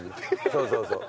そうそうそう。